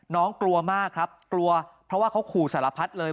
กลัวมากครับกลัวเพราะว่าเขาขู่สารพัดเลย